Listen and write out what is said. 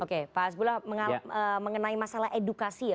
oke pak hasbullah mengenai masalah edukasi ya